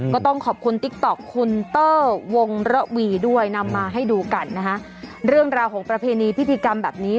ก็ต้องขอบคุณติ๊กต๊อกคุณเตอร์วงระวีด้วยนำมาให้ดูกันนะคะเรื่องราวของประเพณีพิธีกรรมแบบนี้